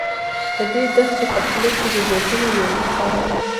د دې دښتې په خوله کې د زیتونو یو لوی فارم و.